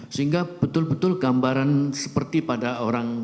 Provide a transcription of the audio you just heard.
sehingga betul betul gambaran seperti pada orang